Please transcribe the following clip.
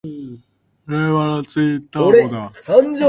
令和のツインターボだ！